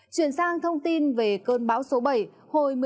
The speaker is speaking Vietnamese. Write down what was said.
chuyển sang thông tin về cơn bão số bảy